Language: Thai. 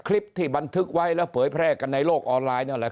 คลิปที่บันทึกไว้แล้วเผยแพร่กันในโลกออนไลน์นั่นแหละ